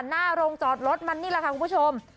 หน้าโรงจอดรถมันนี่แหละค่ะคุณผู้ชม